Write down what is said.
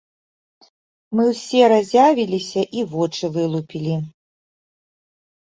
Мы ўсе разявіліся і вочы вылупілі.